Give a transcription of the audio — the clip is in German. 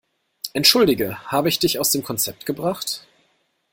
Entschuldige, habe ich dich aus dem Konzept gebracht?